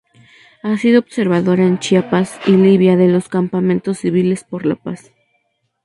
Ha sido observadora en Chiapas y Libia de los campamentos civiles por la paz.